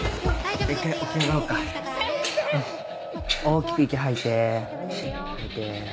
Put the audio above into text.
大きく息吐いて吐いて。